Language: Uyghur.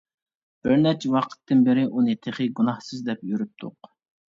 بىز نەچچە ۋاقتىن بېرى ئۇنى تېخى گۇناھسىز دەپ يۈرۈپتۇق.